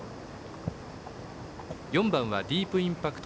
４番ディープインパクト